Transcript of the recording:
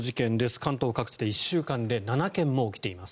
関東各地で１週間で７件も起きています。